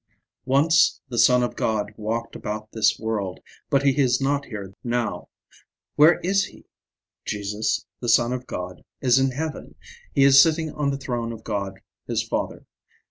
Once the Son of God walked about this world, but he is not here now. Where is he? Jesus, the Son of God, is in heaven; he is sitting on the throne of God his Father.